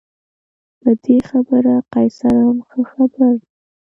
په دې خبره قیصر هم ښه خبر دی.